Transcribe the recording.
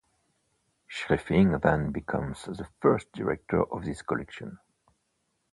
Schiffrin then becomes the first director of this collection.